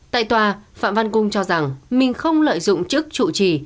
tại tòa phạm văn cung cho rằng mình không lợi dụng chức trụ trì